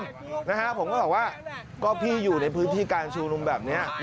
ผมก็ถามว่าก็พี่อยู่ในพื้นที่การชุมนุมแบบนี้